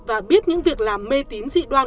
và biết những việc làm mê tín dị đoan